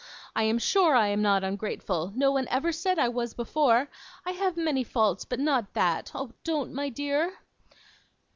I am sure I am not ungrateful. No one ever said I was before. I have many faults, but not that. Oh, don't, my dear!